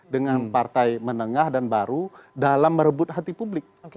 dengan partai menengah dan baru dalam merebut hati publik